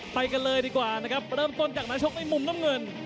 ไปกันเลยดีกว่านะครับเริ่มต้นจากนักชกในมุมน้ำเงิน